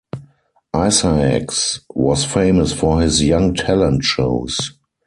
Isaacs was famous for his "young talent" shows.